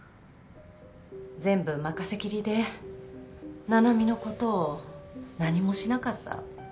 全部任せきりで七海のことを何もしなかった私のせい。